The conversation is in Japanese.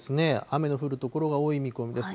雨の降る所が多い見込みです。